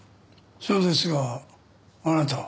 そうですがあなたは？